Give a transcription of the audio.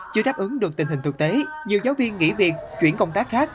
chưa đáp ứng được tình hình thực tế nhiều giáo viên nghỉ việc chuyển công tác khác